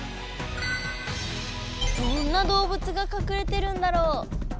どんなどうぶつがかくれてるんだろう？